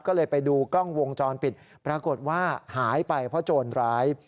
ก็เลยไปดูกล้องวงจรปิดปรากฏว่าหายไปเพราะโจรร้าย